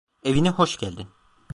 Evine hoş geldin.